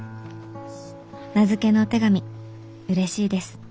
名付けのお手紙うれしいです」。